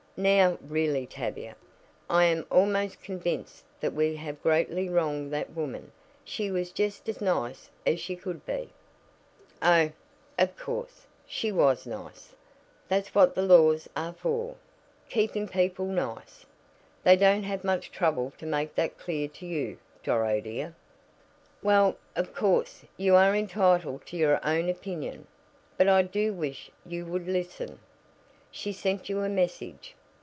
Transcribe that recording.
"Now, really, Tavia, I am almost convinced that we have greatly wronged that woman she was just as nice as she could be " "Oh, of course, she was nice. That's what the laws are for, keeping people nice. They don't have much trouble to make that clear to you, Doro, dear." "Well, of course, you are entitled to your own opinion, but I do wish you would listen. She sent you a message."